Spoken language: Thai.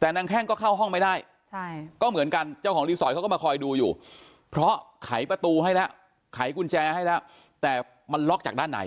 แต่นางแข้งก็เข้าห้องไม่ได้ก็เหมือนกันเจ้าของรีสอร์ทเขาก็มาคอยดูอยู่เพราะไขประตูให้แล้วไขกุญแจให้แล้วแต่มันล็อกจากด้านใน